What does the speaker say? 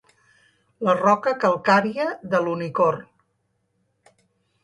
La roca calcària de l'Unicorn.